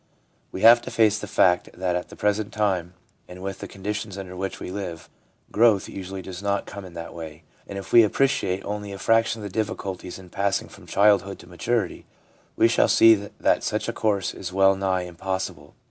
We have to face the fact that at the present time and with the con ditions under which we live, growth usually does not come in that way ; and, if we appreciate only a fraction of the difficulties in passing from childhood to maturity, we shall see that such a course is well nigh impossible.